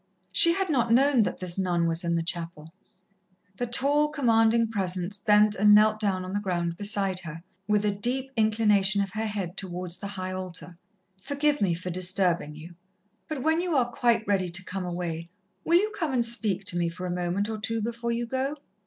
She had not known that this nun was in the chapel. The tall, commanding presence bent and knelt down on the ground beside her, with a deep inclination of her head towards the High Altar. "Forgive me for disturbing you, but when you are quite ready to come away, will you come and speak to me for a moment or two before you go?"